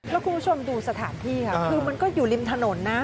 แล้วคุณผู้ชมดูสถานที่ค่ะคือมันก็อยู่ริมถนนนะ